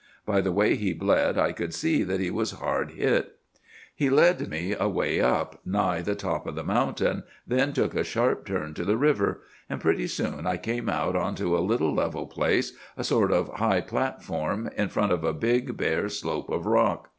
By the way he bled, I could see that he was hard hit. "'He led me away up, nigh the top of the mountain, then took a sharp turn to the river; and pretty soon I came out onto a little level place, a sort of high platform, in front of a big, bare slope of rock.